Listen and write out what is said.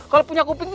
kalau punya kuping tuh